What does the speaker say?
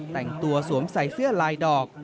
แต่งตัวสวมใส่เสื้อลายดอก